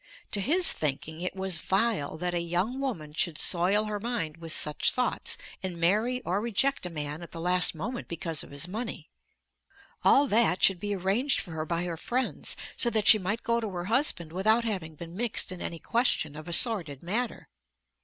To his thinking it was vile that a young woman should soil her mind with such thoughts and marry or reject a man at the last moment because of his money. All that should be arranged for her by her friends, so that she might go to her husband without having been mixed in any question of a sordid matter.